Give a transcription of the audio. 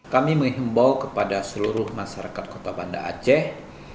kami menghimbau kepada seluruh masyarakat kota banda aceh